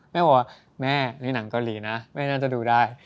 แม่บอกว่าแม่นี่หนังเกาหลีนะแม่น่าจะดูได้